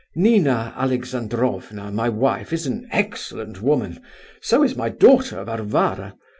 Nina Alexandrovna my wife, is an excellent woman, so is my daughter Varvara.